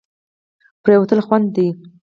پرېوتل خوند دی.